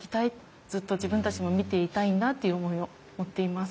ずっと自分たちも見ていたいんだっていう思いを持っています。